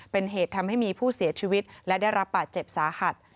เป็นเหตุทำให้มีผู้เสียชีวิตและได้รับบาดเจ็บสาหัส